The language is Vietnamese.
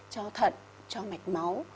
cho thận cho mạch máu